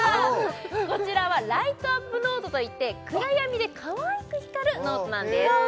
こちらはライトアップノートといって暗闇でかわいく光るノートなんですへえ